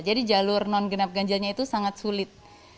jadi jalur non genap ganjilnya itu sangat sulit